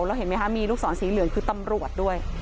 แล้วเห็นไหมคะมีลูกศรสีเหลืองคือตำรวจด้วย